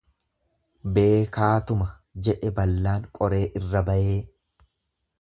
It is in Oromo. Beekaatuma jedhe ballaan qoree irra bayee.